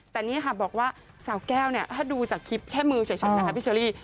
แต่นี่ค่ะบอกว่าสาวแก้วเนี่ยถ้าดูจากคลิปแค่มือเฉยนะคะพี่เชอรี่